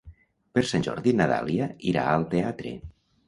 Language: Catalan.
Per Sant Jordi na Dàlia irà al teatre.